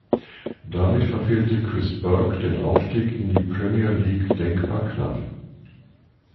Damit verfehlte Chris Burke den Aufstieg in die Premier League denkbar knapp.